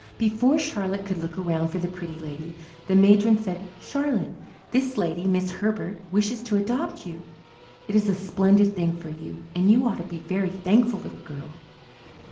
Before Charlotte could look around for the Pretty Lady the matron said, "Charlotte, this lady, Miss Herbert, wishes to adopt you. It is a splendid thing for you, and you ought to be a very thankful little girl."